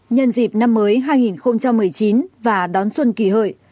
nhân dịp năm mới hai nghìn một mươi chín và đón xuân kỳ hợi